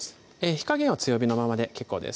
火加減は強火のままで結構です